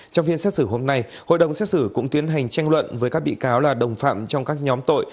trong phiên xét xử hôm nay hội đồng xét xử cũng tiến hành tranh luận với các bị cáo là đồng phạm trong các nhóm tội